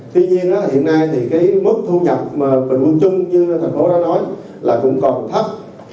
tuy nhiên hiện nay thì mức thu nhập bệnh viện trung như thành phố đã nói là cũng còn thấp